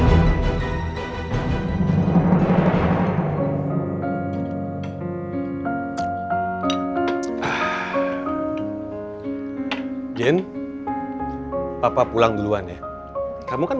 kamu suka pembawa me corb